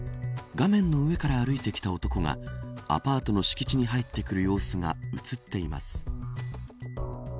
画面の上から歩いてきた男がアパートの敷地に入ってくる様子が映っています。